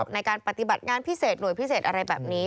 ในการปฏิบัติงานพิเศษหน่วยพิเศษอะไรแบบนี้